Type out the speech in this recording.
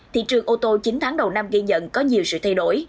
thị trường ô tô chín tháng đầu năm ghi nhận có nhiều sự thay đổi